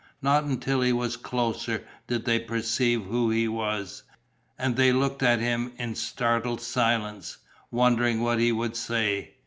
Not until he was closer did they perceive who he was; and they looked at him in startled silence, wondering what he would say.